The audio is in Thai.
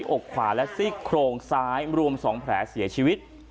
อกขวาและซี่โครงซ้ายรวม๒แผลเสียชีวิต